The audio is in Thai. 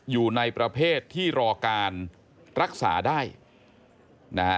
อยู่ในประเภทที่รอการรักษาได้นะฮะ